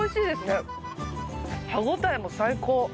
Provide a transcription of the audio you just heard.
歯応えも最高。